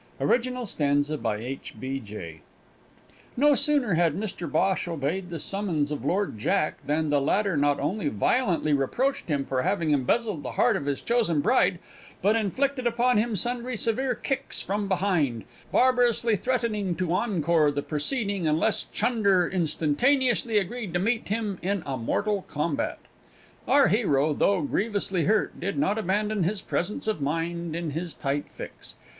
Original Stanza by H. B. J. No sooner had Mr Bhosh obeyed the summons of Lord Jack, than the latter not only violently reproached him for having embezzled the heart of his chosen bride, but inflicted upon him sundry severe kicks from behind, barbarously threatening to encore the proceeding unless Chunder instantaneously agreed to meet him in a mortal combat. Our hero, though grievously hurt, did not abandon his presence of mind in his tight fix.